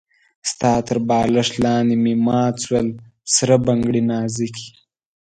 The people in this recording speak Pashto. ستا تر بالښت لاندې مي مات سول سره بنګړي نازکي